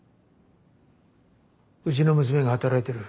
うちの娘が働いてる。